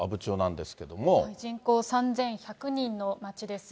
人口３１００人の町です。